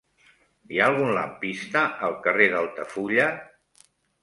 Hi ha algun lampista al carrer d'Altafulla?